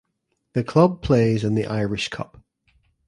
The club plays in the Irish Cup.